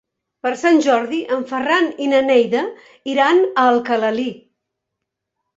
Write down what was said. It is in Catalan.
Per Sant Jordi en Ferran i na Neida iran a Alcalalí.